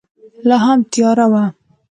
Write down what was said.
لا هم تیاره وه.